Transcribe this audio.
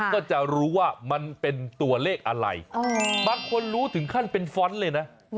ก็จะรู้ว่ามันเป็นตัวเลขอะไรบางคนรู้ถึงขั้นเป็นฟ้อนต์เลยนะ